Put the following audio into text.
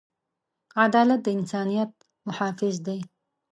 عدالت د انسانیت محافظ دی.